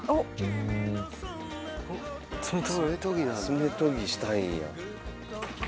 爪とぎしたいんや。